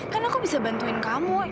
kan aku bisa bantuin kamu